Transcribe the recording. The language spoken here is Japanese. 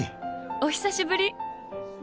お久しぶり。